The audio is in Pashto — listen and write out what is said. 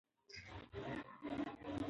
پوهه د هر بریالي انسان راز دی.